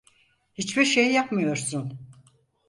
Hiçbir şey yapmıyorsun.